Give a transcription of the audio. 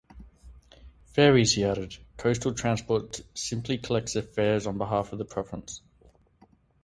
Ferries." He added, "Coastal Transport simply collects the fares on behalf of the province.